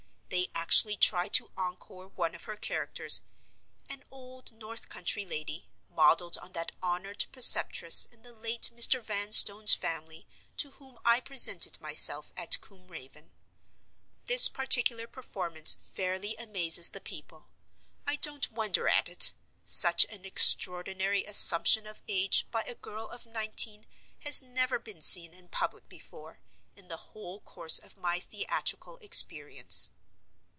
They actually try to encore one of her characters—an old north country lady; modeled on that honored preceptress in the late Mr. Vanstone's family to whom I presented myself at Combe Raven. This particular performance fairly amazes the people. I don't wonder at it. Such an extraordinary assumption of age by a girl of nineteen has never been seen in public before, in the whole course of my theatrical experience.